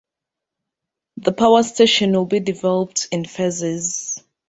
The power station will be developed in phases.